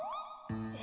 え？